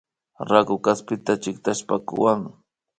Raku kaspita chiktashpa kuway